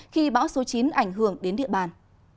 khi bão số chín ảnh hưởng đến địa bàn